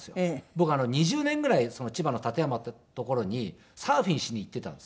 僕２０年ぐらい千葉の館山っていう所にサーフィンしに行っていたんですね。